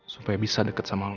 supaya bisa deket sama lo